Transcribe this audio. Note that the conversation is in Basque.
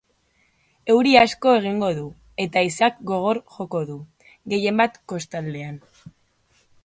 Euri asko egingo du, eta haizeak gogor joko du, gehienbat kostaldean.